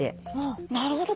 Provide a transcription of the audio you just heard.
なるほど。